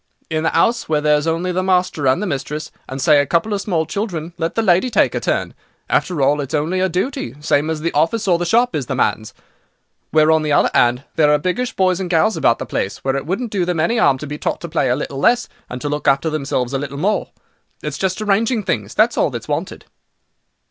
In the 'ouse, where there's only the master and the mistress, and, say a couple of small children, let the lady take her turn. After all, it's only her duty, same as the office or the shop is the man's. Where, on the other 'and, there are biggish boys and gals about the place, well it wouldn't do them any 'arm to be taught to play a little less, and to look after themselves a little more. It's just arranging things—that's all that's wanted."